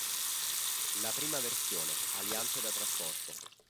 La prima versione: aliante da trasporto.